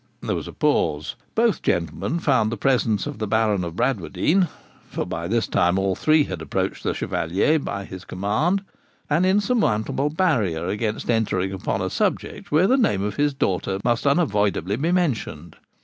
There was a pause. Both gentlemen found the presence of the Baron of Bradwardine (for by this time all three had approached the Chevalier by his command) an insurmountable barrier against entering upon a subject where the name of his daughter must unavoidably be mentioned.